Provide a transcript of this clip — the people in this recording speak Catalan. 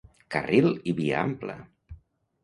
Carril i via ampla!